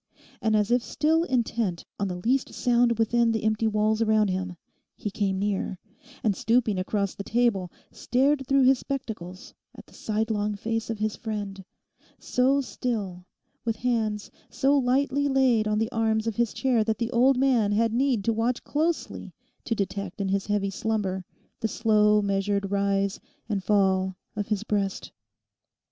And as if still intent on the least sound within the empty walls around him, he came near, and stooping across the table, stared through his spectacles at the sidelong face of his friend, so still, with hands so lightly laid on the arms of his chair that the old man had need to watch closely to detect in his heavy slumber the slow measured rise and fall of his breast.